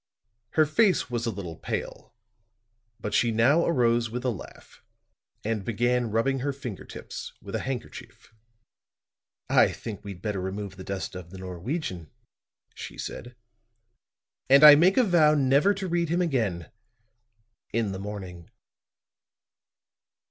Her face was a little pale; but she now arose with a laugh and began rubbing her finger tips with a handkerchief. "I think we'd better remove the dust of the Norwegian," she said; "and I make a vow never to read him again in the morning."